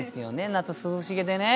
夏涼しげでね。